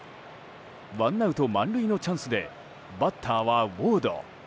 ワンアウト満塁のチャンスでバッターはウォード。